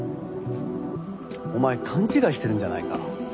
お前勘違いしてるんじゃないか？